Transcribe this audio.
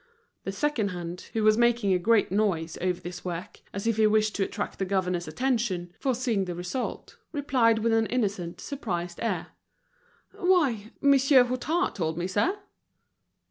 The second hand, who was making a great noise over this work, as if he wished to attract the governor's attention, foreseeing the result, replied with an innocent, surprised air: "Why, Monsieur Hutin told me, sir."